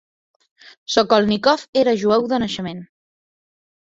Sokolnikov era jueu de naixement.